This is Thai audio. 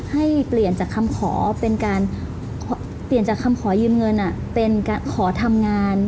ให้เปลี่ยนจากคำขอยืมเงินเป็นขอทำงาน